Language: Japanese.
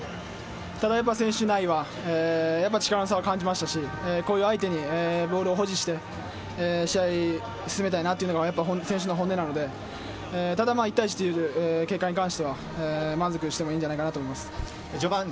ただ力の差を感じましたし、ボールを保持して試合を進めたいというのが選手の本音なのでただ１対１という結果に関しては、満足してもいいのではないかと思います。